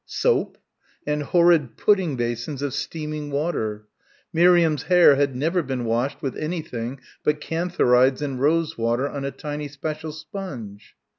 Soap? and horrid pudding basins of steaming water. Miriam's hair had never been washed with anything but cantharides and rose water on a tiny special sponge.